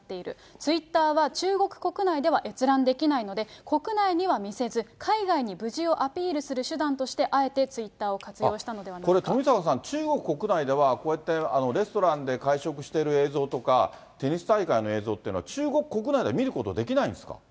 ツイッターは、中国国内では閲覧できないので、国内には見せず、海外に無事をアピールする手段としてあえてツイッターを活用したこれ、富坂さん、中国国内ではこうやってレストランで会食している映像とか、テニス大会の映像っていうのは、中国国内では見ることはできないんですか？